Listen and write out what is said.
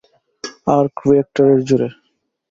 Arc রিয়্যাক্টরের জোরে।